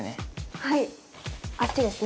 はいあっちですね。